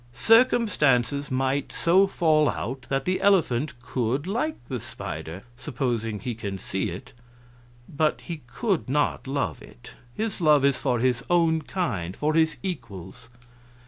Circumstances might so fall out that the elephant could like the spider supposing he can see it but he could not love it. His love is for his own kind for his equals.